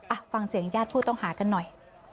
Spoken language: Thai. อ่ะฟังเสียงญาติผู้ต้องหากันหน่อย